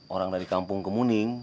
orang dari kampung kemuning